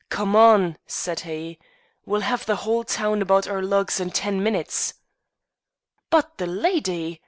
"Come on," said he; "we'll have the whole town about our lugs in ten minutes." "But the lady?"